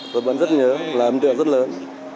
tôi vẫn rất nhớ là ấm tượng rất lớn